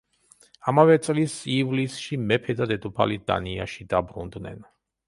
ამავე წლის ივლისში მეფე და დედოფალი დანიაში დაბრუნდნენ.